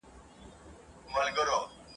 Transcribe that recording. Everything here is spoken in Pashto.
نه یې جنډۍ سته نه یې قبرونه !.